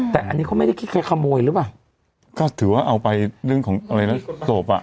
แต่อันนี้เขาไม่ได้คิดแค่ขโมยหรือเปล่าก็ถือว่าเอาไปเรื่องของอะไรนะศพอ่ะ